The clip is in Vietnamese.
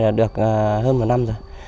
là được hơn một năm rồi